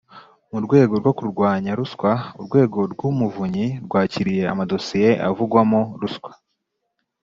Mu rwego rwo kurwanya ruswa Urwego rw Umuvunyi rwakiriye amadosiye avugwamo ruswa